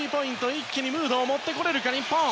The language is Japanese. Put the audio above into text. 一気にムードを持ってこれるか日本。